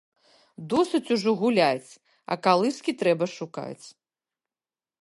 Досыць ужо гуляць, а калыскі трэба шукаць.